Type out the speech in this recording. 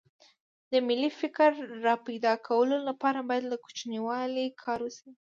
د ملي فکر راپیدا کولو لپاره باید له کوچنیوالي کار وشي